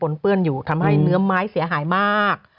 เปื้อนอยู่ทำให้เนื้อไม้เสียหายมาก